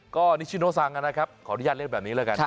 ก็นิชิโนซังนะครับขออนุญาตเล่นแบบนี้แล้วกัน